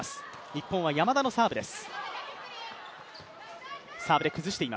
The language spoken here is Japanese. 日本は山田のサーブです。